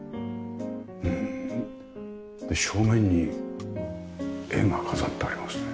で正面に絵が飾ってありますね。